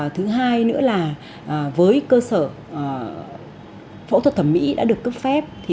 thứ hai nữa là với cơ sở phẫu thuật thẩm mỹ đã được cấp phép